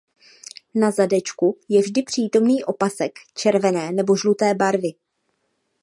Na zadečku je vždy přítomný opasek červené nebo žluté barvy.